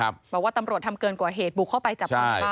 บอกว่าตำรวจทำเกินกว่าเหตุบุกเข้าไปจับกลุ่มป้า